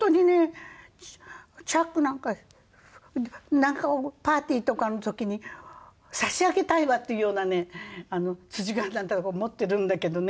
なんかパーティーとかの時に差し上げたいわっていうようなね辻が花とか持ってるんだけどね